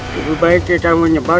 cukup baik kita menyebar